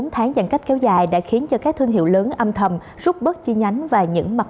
bốn tháng giãn cách kéo dài đã khiến cho các thương hiệu lớn âm thầm rút bớt chi nhánh và những mặt